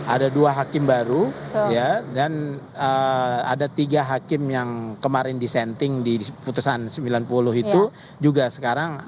ada dua hakim baru dan ada tiga hakim yang kemarin disenting di putusan sembilan puluh itu juga sekarang